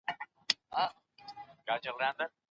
قلم د علم لپاره کارول کېږي.